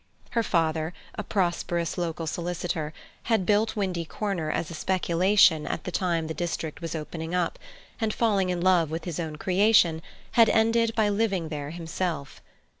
Her father, a prosperous local solicitor, had built Windy Corner, as a speculation at the time the district was opening up, and, falling in love with his own creation, had ended by living there himself.